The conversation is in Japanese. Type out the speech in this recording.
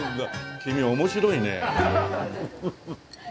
君面白いね。